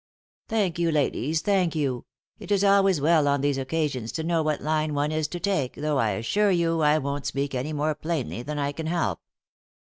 " Thank you, ladies, thank you ; it is always well on these occasions to know what line one is to take, though I assure you I won't speak any more plainly than I can help.